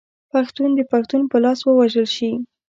پښتون د پښتون په لاس ووژل شي.